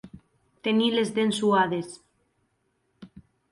Tenir les dents suades.